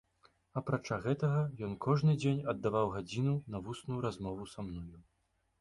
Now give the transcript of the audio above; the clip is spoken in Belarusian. Апрача гэтага, ён кожны дзень аддаваў гадзіну на вусную размову са мною.